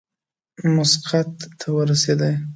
مسقط ته ورسېدی.